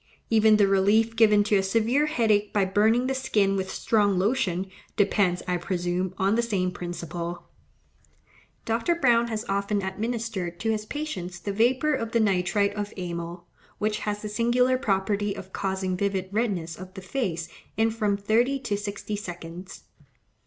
Even the relief given to a severe headache by burning the skin with strong lotion, depends, I presume, on the same principle. Dr. Browne has often administered to his patients the vapour of the nitrite of amyl, which has the singular property of causing vivid redness of the face in from thirty to sixty seconds.